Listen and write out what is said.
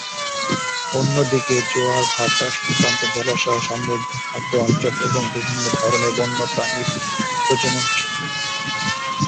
অন্যদিকে, জোয়ার-ভাটা আক্রান্ত জলাশয় সমৃদ্ধ খাদ্য অঞ্চল এবং বিভিন্ন ধরনের বন্যপ্রাণীর প্রজনন ক্ষেত্র।